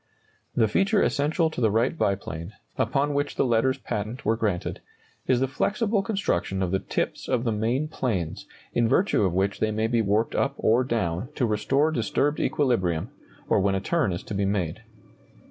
The feature essential to the Wright biplane, upon which the letters patent were granted, is the flexible construction of the tips of the main planes, in virtue of which they may be warped up or down to restore disturbed equilibrium, or when a turn is to be made.